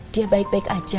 dia baik baik aja